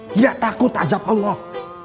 tidak takut azab allah